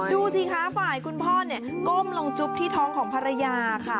ดูสิคะฝ่ายคุณพ่อเนี่ยก้มลงจุ๊บที่ท้องของภรรยาค่ะ